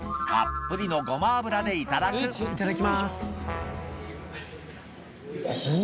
いただきます。